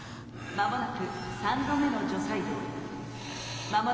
間もなく３度目の除細動」。